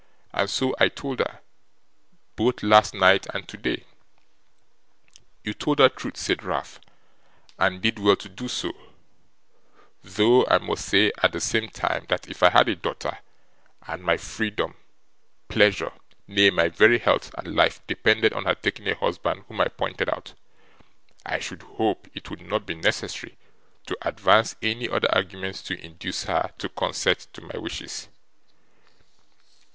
'And so I told her, both last night and today.' 'You told her truth,' said Ralph, 'and did well to do so; though I must say, at the same time, that if I had a daughter, and my freedom, pleasure, nay, my very health and life, depended on her taking a husband whom I pointed out, I should hope it would not be necessary to advance any other arguments to induce her to consent to my wishes.